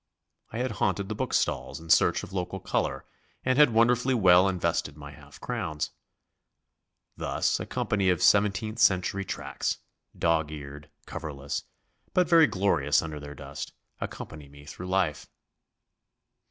I had haunted the bookstalls in search of local colour and had wonderfully well invested my half crowns. Thus a company of seventeenth century tracts, dog eared, coverless, but very glorious under their dust, accompany me through life.